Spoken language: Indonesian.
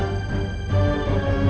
aku mau kemana